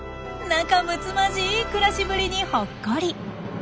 仲むつまじい暮らしぶりにほっこり。